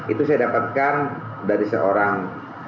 itu saya dapatkan dari seorang